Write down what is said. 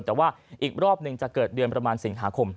แต่ว่าอีกรอบหนึ่งจะเกิดเดือนประมาณสิงหาคม